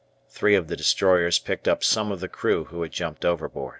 Three of the destroyers picked up some of the crew who had jumped overboard.